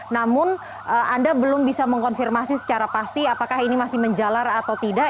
namun anda belum bisa mengkonfirmasi secara pasti apakah ini masih menjalar atau tidak